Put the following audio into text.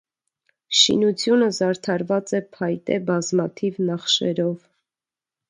Շինությունը զարդարված է փայտե բազմաթիվ նախշերով։